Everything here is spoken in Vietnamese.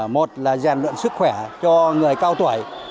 một là giàn lượng sức khỏe cho người cao tuổi